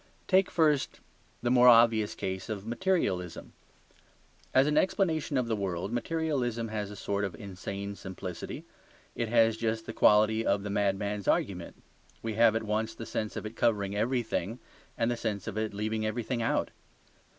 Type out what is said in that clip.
Take first the more obvious case of materialism. As an explanation of the world, materialism has a sort of insane simplicity. It has just the quality of the madman's argument; we have at once the sense of it covering everything and the sense of it leaving everything out.